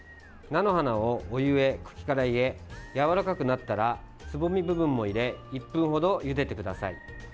菜の花をお湯へ茎から入れやわらかくなったらつぼみ部分も入れ１分ほど、ゆでてください。